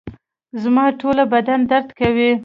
زما ټوله بدن درد کوي